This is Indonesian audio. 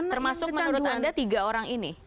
termasuk menurut anda tiga orang ini